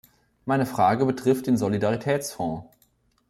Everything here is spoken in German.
Meine Frage betrifft den Solidaritätsfonds.